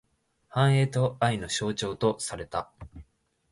繁栄と愛の象徴とされた。